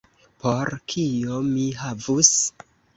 Por kio mi havus?